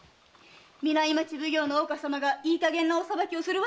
南町奉行の大岡様がいい加減なお裁きをするわけがない。